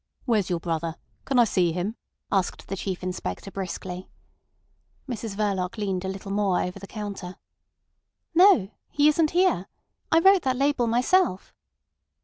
"Where's your brother? Can I see him?" asked the Chief Inspector briskly. Mrs Verloc leaned a little more over the counter. "No. He isn't here. I wrote that label myself."